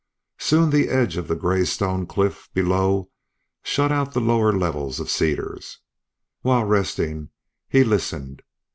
Soon the edge of the gray stone cliff below shut out the lower level of cedars. While resting he listened.